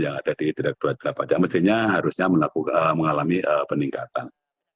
yang ada di direkturat pajak menterinya harusnya mengalami peningkatan